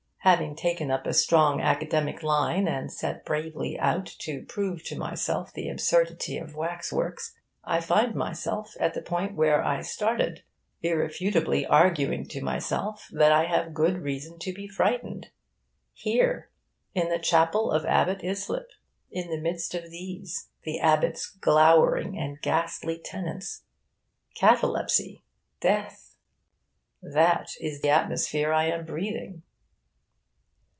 Having taken up a strong academic line, and set bravely out to prove to myself the absurdity of wax works, I find myself at the point where I started, irrefutably arguing to myself that I have good reason to be frightened, here in the Chapel of Abbot Islip, in the midst of these, the Abbot's glowering and ghastly tenants. Catalepsy! death! that is the atmosphere I am breathing.